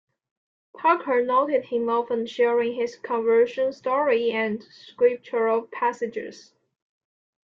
Parker noted him often sharing his conversion story and scriptural passages.